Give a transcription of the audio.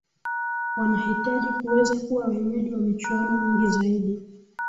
wanahitaji kuweza kuwa wenyeji wa michuano mingi zaidi